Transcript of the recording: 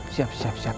siap siap siap